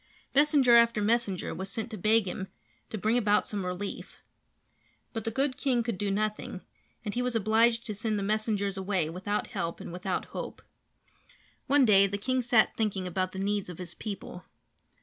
Messenger after messenger was sent to beg him to bring about some relief. But the good king could do nothing, and he was obliged to send the messengers away without help and without hope. One day the king sat thinking about the needs of his people.